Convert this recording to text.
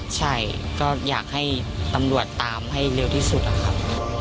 ใช่ก็อยากให้ตำรวจตามให้เร็วที่สุดนะครับ